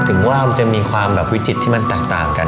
ถึงว่ามันจะมีความแบบวิจิตที่มันแตกต่างกัน